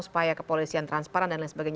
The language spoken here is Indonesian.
supaya kepolisian transparan dan lain sebagainya